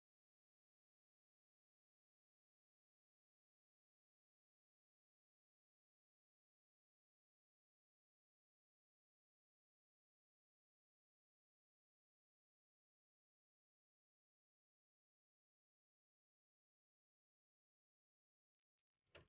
but makanya banyak sepotkada surveil kab charges di tiara